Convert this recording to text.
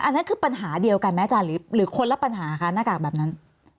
นั่นคือปัญหาเดียวกันไหมอาจารย์หรือคนละปัญหาคะหน้ากากแบบนั้น